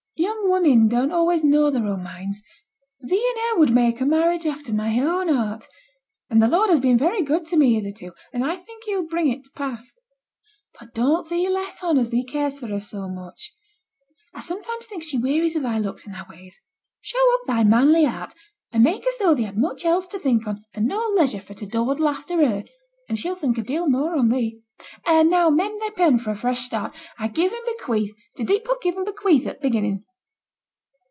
'Young women don't always know their own minds. Thee and her would make a marriage after my own heart; and the Lord has been very good to me hitherto, and I think He'll bring it t' pass. But don't thee let on as thee cares for her so much. I sometimes think she wearies o' thy looks and thy ways. Show up thy manly heart, and make as though thee had much else to think on, and no leisure for to dawdle after her, and she'll think a deal more on thee. And now mend thy pen for a fresh start. I give and bequeath did thee put "give and bequeath," at th' beginning?'